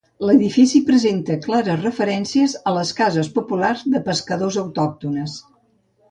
L'edifici presenta clares referències a les cases populars de pescadors autòctones.